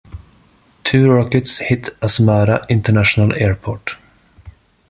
Two rockets hit Asmara International Airport.